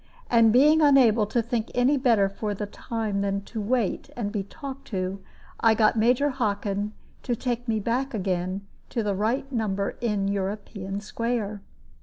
And being unable to think any better for the time than to wait and be talked to, I got Major Hockin to take me back again to the right number in European Square.